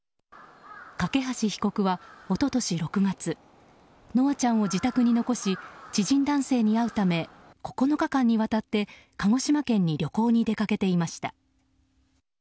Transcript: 梯被告は、一昨年６月稀華ちゃんを自宅に残し知人男性に会うため９日間にわたって鹿児島県に旅行に出かけていました。